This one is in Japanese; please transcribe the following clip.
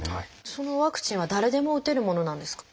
そのワクチンは誰でも打てるものなんですか？